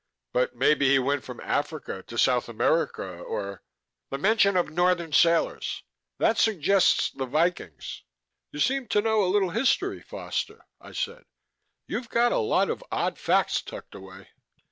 "But maybe he went from Africa to South America, or " "The mention of Northern sailors that suggests the Vikings " "You seem to know a little history, Foster," I said. "You've got a lot of odd facts tucked away."